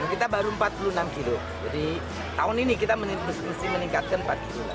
dan kita baru empat puluh enam kilo jadi tahun ini kita harus meningkatkan empat puluh kilo lagi